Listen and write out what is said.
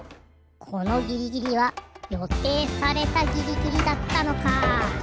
このギリギリはよていされたギリギリだったのか。